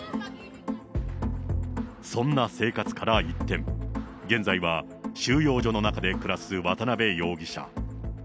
そんな生活から一転、現在は収容所の中で暮らす渡辺容疑者。